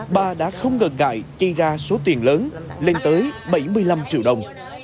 bà đã không ngờ ngại chây ra số tiền lớn lên tới bảy mươi năm triệu đồng